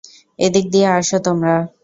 এদিক দিয়ে আসো তোমরা!